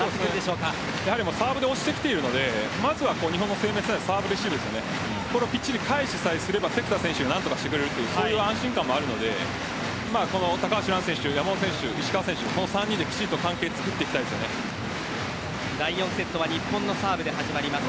サーブで押してきているのでまずは日本の生命線であるサーブレシーブをきっちり返しさえすれば関田選手が何とかしてくれる安心感があるので高橋藍選手、山本選手石川選手の３人で第４セットは日本のサーブで始まります。